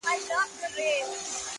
څخه چي څه ووايم څنگه درته ووايم چي؛